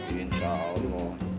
ya insya allah